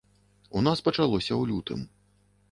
У нас пачалося ў лютым.